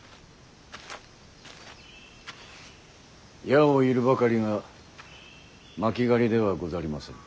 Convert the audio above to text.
矢を射るばかりが巻狩りではござりませぬ。